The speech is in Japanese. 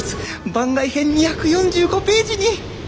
番外編２４５ページに。